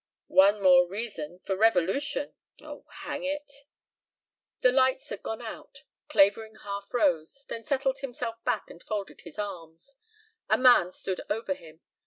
"One more reason for revolution Oh! Hang it!" The lights had gone out. Clavering half rose, then settled himself back and folded his arms. A man stood over him.